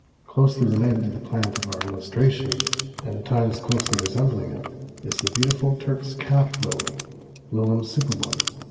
Closely related to the plant of our illustration, and at times closely resembling it, is the beautiful Turk's Cap Lily (Lilium superbum).